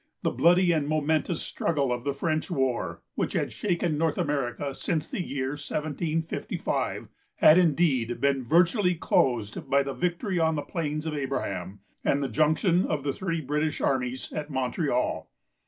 The bloody and momentous struggle of the French war, which had shaken North America since the year 1755, had indeed been virtually closed by the victory on the Plains of Abraham, and the junction of the three British armies at Montreal.